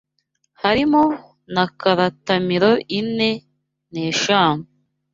harimo na karata miro ine neshanu